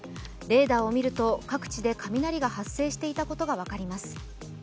レーダーを見ると各地で雷が発生していたことが分かります。